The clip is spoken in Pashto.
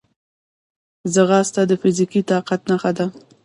ځغاسته د فزیکي طاقت نښه ده